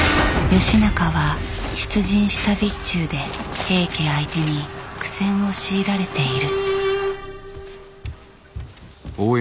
義仲は出陣した備中で平家相手に苦戦を強いられている。